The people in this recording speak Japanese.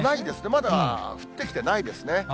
まだ降ってきてないですね。